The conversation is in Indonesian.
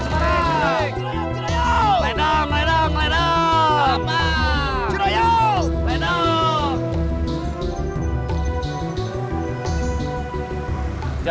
sampai jumpa lagi